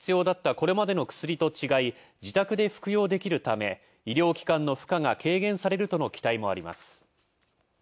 これまでの薬と違い、自宅で服用できるため、医療機関の負荷が軽減されるとの期待もあります。